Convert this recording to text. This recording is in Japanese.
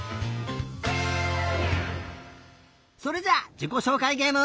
それじゃじこしょうかいげえむ。